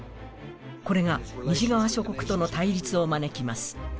これが西側諸国との対立を招きます。